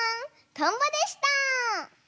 トンボでした！